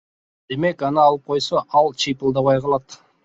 Демек аны алып койсо ал чыйпылдабай калат.